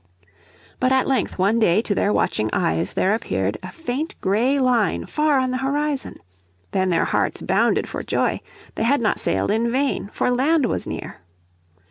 But at length one day to their watching eyes there appeared a faint grey line far on the horizon. Then their hearts bounded for joy. They had not sailed in vain, for land was near.